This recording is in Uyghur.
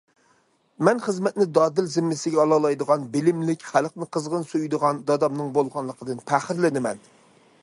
مەن خىزمەتنى دادىل زىممىسىگە ئالالايدىغان، بىلىملىك، خەلقنى قىزغىن سۆيىدىغان دادامنىڭ بولغانلىقىدىن پەخىرلىنىمەن.